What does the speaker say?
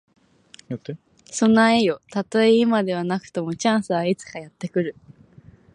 備えよ。たとえ今ではなくとも、チャンスはいつかやって来る。